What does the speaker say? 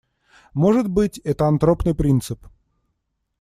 Может быть, это антропный принцип.